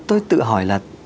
tôi tự hỏi là